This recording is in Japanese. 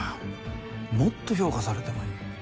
もっと評価されてもいい。